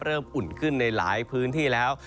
อุ่นขึ้นในหลายพื้นที่แล้ว